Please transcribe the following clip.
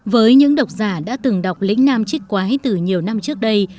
với những đọc giả đã từng đọc lĩnh nam chích quái từ nhiều năm trước đây